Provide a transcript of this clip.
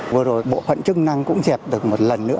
vừa rồi bộ phận chức năng cũng dẹp được một lần nữa